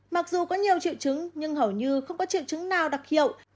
mặc dù có nhiều triệu chứng nhưng hầu như không có triệu chứng nào đặc hiệu